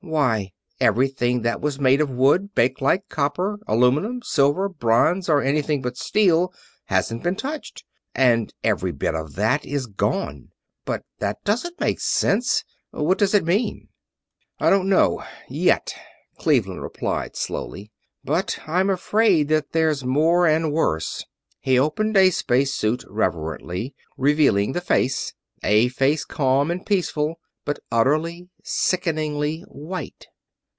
"Why everything that was made of wood, bakelite, copper, aluminum, silver, bronze, or anything but steel hasn't been touched, and every bit of that is gone. But that doesn't make sense what does it mean?" "I don't know yet," Cleveland replied, slowly. "But I'm afraid that there's more, and worse." He opened a space suit reverently, revealing the face; a face calm and peaceful, but utterly, sickeningly white.